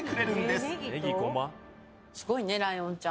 すごいね、ライオンちゃん。